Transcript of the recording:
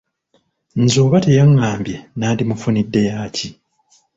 Nze oba teyangambye nandimufuniddes yaaki?